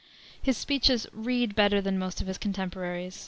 His speeches read better than most of his contemporaries.